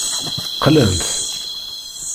Qlan-t.